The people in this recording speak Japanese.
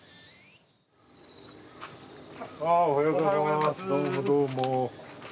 おはようございます。